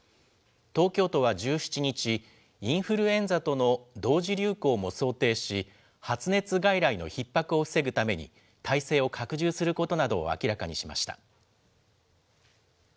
東京都は１７日、インフルエンザとの同時流行も想定し、発熱外来のひっ迫を防ぐために、体制を拡充することなどを明らかにしました。